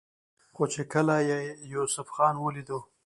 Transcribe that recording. خو چې کله يې يوسف خان وليدو